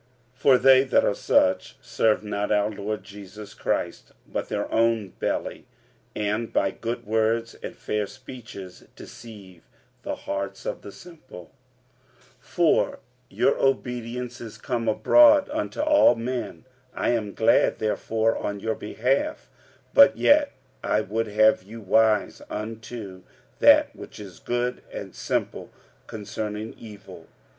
45:016:018 For they that are such serve not our Lord Jesus Christ, but their own belly; and by good words and fair speeches deceive the hearts of the simple. 45:016:019 For your obedience is come abroad unto all men. I am glad therefore on your behalf: but yet I would have you wise unto that which is good, and simple concerning evil.